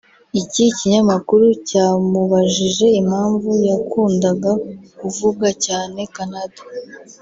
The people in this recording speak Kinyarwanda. Iki kinyamakuru cyamubajije impamvu yakundaga kuvuga cyane Canada